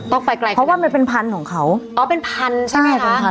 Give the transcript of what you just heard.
ต้องไปไกลกันเพราะว่ามันเป็นพันธุ์ของเขาอ๋อเป็นพันธุ์ใช่ไหมคะ